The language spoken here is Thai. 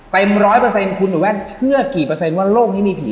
เต็ม๑๐๐คุณหิวแว่นเชื่อกี่เปอร์เซ็นต์ว่าโลกนี้มีผี